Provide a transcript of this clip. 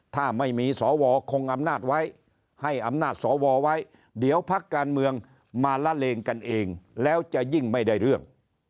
ถ้าไม่มีสวคงอำนาจไว้ให้อำนาจสวไว้เดี๋ยวพักการเมืองมาละเลงกันเองแล้วจะยิ่งไม่ได้เรื่อง